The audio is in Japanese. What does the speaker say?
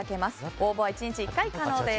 応募は１日１回可能です。